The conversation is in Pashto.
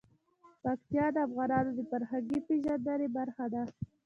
پکتیا د افغانانو د فرهنګي پیژندنې برخه ده.